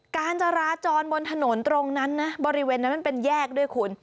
การจราจรบนถนนตรงนั้นนะบริเวณนั้นมันเป็นแยกด้วยคุณ